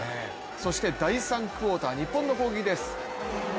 そして第３クオーター、日本の攻撃です。